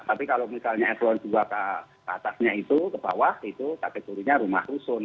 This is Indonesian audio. tapi kalau misalnya eselon dua ke atasnya itu ke bawah itu kategorinya rumah rusun